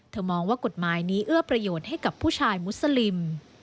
มองว่ากฎหมายนี้เอื้อประโยชน์ให้กับผู้ชายมุสลิม